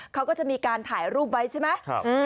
เขาก็จะมีการถ่ายรูปไว้ใช่ไหม